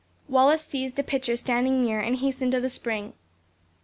Wallace seized a pitcher standing near, and hastened to the spring.